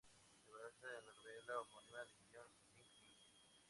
Se basa en la novela homónima de Guo Jing-ming.